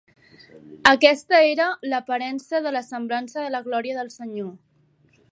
Aquesta era l'aparença de la semblança de la glòria del Senyor.